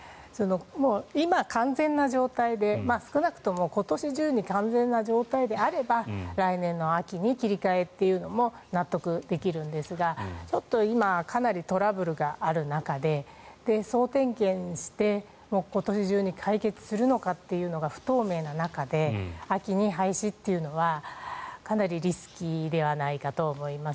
今、完全な状態で少なくとも今年中に完全な状態であれば来年の秋に切り替えというのも納得できるんですがちょっと今かなりトラブルがある中で総点検して、今年中に解決するのかというのが不透明な中で秋に廃止というのはかなりリスキーではないかと思います。